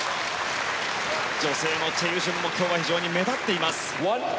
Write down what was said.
女性のチェ・ユジュンも今日は非常に目立っています。